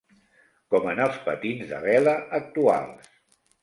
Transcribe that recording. Com en els patins de vela actuals.